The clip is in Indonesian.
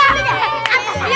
kalah satu lagi